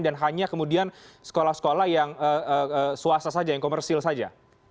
dan hanya kemudian sekolah sekolah yang swasta saja yang komersil saja